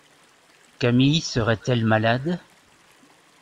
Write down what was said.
Camille serait-elle malade ?…